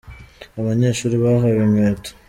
Abanyeshuri bahawe inkweto